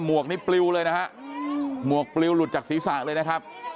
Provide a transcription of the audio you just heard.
วกนี่ปลิวเลยนะฮะหมวกปลิวหลุดจากศีรษะเลยนะครับ